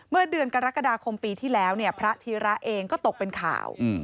เมื่อเดือนกรกฎาคมปีที่แล้วเนี่ยพระธีระเองก็ตกเป็นข่าว